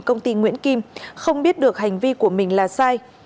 công ty nguyễn kim không biết được hành vi của mình là sai